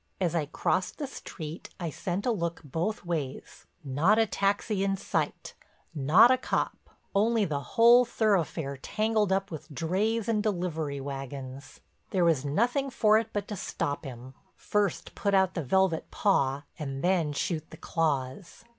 As I crossed the street I sent a look both ways—not a taxi in sight, not a cop, only the whole thoroughfare tangled up with drays and delivery wagons. There was nothing for it but to stop him, first put out the velvet paw and then shoot the claws.